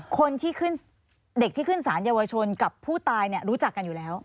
คนที่ขึ้นเด็กที่ขึ้นสารเยาวชนกับผู้ตายรู้จักกันอยู่แล้ว